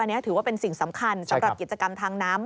อันนี้ถือว่าเป็นสิ่งสำคัญสำหรับกิจกรรมทางน้ำ